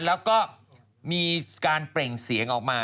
แล้วก็มีการเปล่งเสียงออกมา